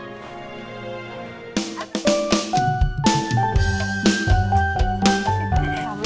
selalu yuk bu